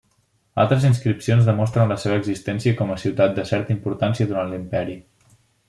Altres inscripcions demostren la seva existència com a ciutat de certa importància durant l'imperi.